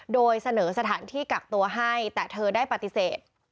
โดยเสนอสถานที่กักตัวให้แต่เธอได้ปฏิเสธ